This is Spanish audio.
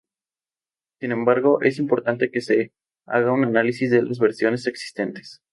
Sin embargo, es importante que se haga un análisis de las versiones existentes.